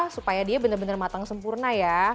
supaya dia bener bener matang sempurna ya